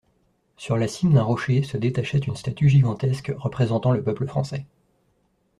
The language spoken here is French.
Sur la cime d'un rocher se détachait une statue gigantesque représentant le peuple français.